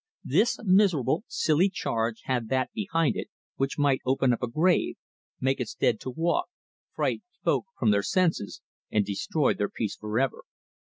This miserable, silly charge had that behind it which might open up a grave, make its dead to walk, fright folk from their senses, and destroy their peace for ever.